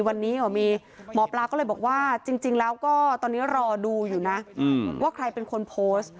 วันนี้ก็มีหมอปลาก็เลยบอกว่าจริงแล้วก็ตอนนี้รอดูอยู่นะว่าใครเป็นคนโพสต์